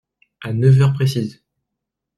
À neuf heures précises !…